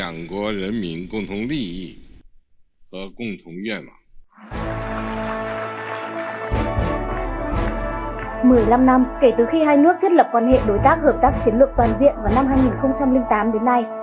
một mươi năm năm kể từ khi hai nước thiết lập quan hệ đối tác hợp tác chiến lược toàn diện vào năm hai nghìn tám đến nay